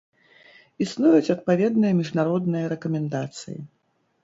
Існуюць адпаведныя міжнародныя рэкамендацыі.